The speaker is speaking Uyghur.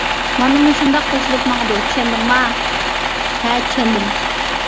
مانا مۇشۇنداق قوشۇلۇپ ماڭىدۇ. چۈشەندىڭما؟ -ھە، چۈشەندىم.